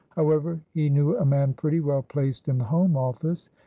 However, he knew a man pretty well placed in the Home Office.